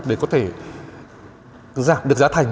để có thể giảm được giá thành